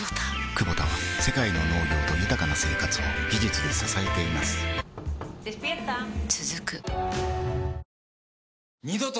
クボタは世界の農業と豊かな生活を技術で支えています起きて。